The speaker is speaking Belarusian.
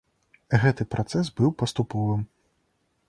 Гэты працэс быў паступовым.